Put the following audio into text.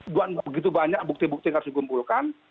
begitu banyak bukti bukti yang harus dikumpulkan